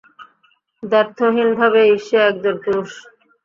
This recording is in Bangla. দ্ব্যর্থহীনভাবেই, সে একজন পুরুষ।